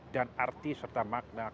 dan arti serta makna keselamatan